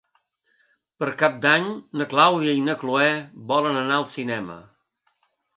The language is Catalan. Per Cap d'Any na Clàudia i na Cloè volen anar al cinema.